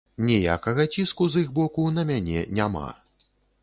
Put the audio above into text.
Ніякага ціску з іх боку на мяне няма.